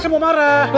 saya mau marah